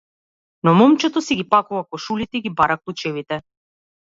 Но момчето си ги пакува кошулите и ги бара клучевите.